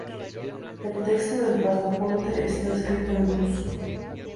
El texto del pasaporte está escrito en ruso.